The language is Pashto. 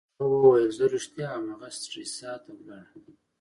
هغه وویل: زه ریښتیا وایم، هغه سټریسا ته ولاړه.